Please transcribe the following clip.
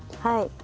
はい。